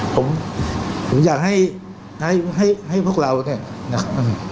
ผมอยากให้พวกเรานะครับ